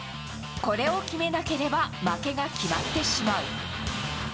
これを決めなければ、負けが決まってしまう。